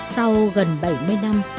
sau gần bảy mươi năm